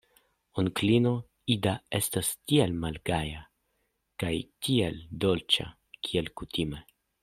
Onklino Ida estas tiel malgaja kaj tiel dolĉa, kiel kutime.